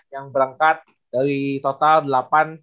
yang berangkat dari total delapan